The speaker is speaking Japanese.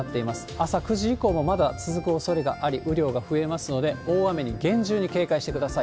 朝９時以降もまだ続くおそれがあり、雨量が増えますので、大雨に厳重に警戒してください。